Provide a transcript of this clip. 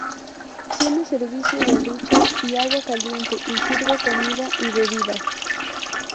Tiene servicio de duchas y agua caliente, y sirve comida y bebidas.